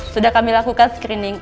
sudah kami lakukan screening